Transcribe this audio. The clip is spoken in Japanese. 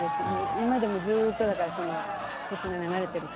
今でもずっとだからその曲が流れてる感じで。